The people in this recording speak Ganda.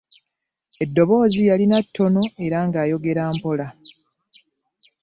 Eddoboozi yalina ttono era ng’ayogera mpola.